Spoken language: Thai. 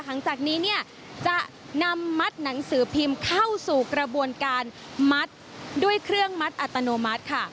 หลังจากนี้เนี่ยจะนำมัดหนังสือพิมพ์เข้าสู่กระบวนการมัดด้วยเครื่องมัดอัตโนมัติค่ะ